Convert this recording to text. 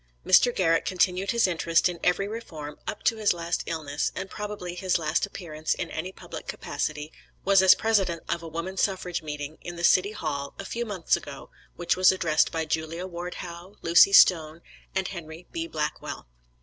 Mr. Garrett continued his interest in every reform up to his last illness, and probably his last appearance in any public capacity, was as president of a Woman Suffrage meeting, in the City Hall, a few months ago, which was addressed by Julia Ward Howe, Lucy Stone, and Henry B. Blackwell.